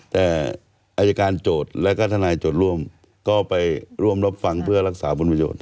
แต่อายการโจทธและท่านายกดโรงค์ก็ไปร่วมรับฟังเพื่อรักษาบุญโปรโยชน์ให้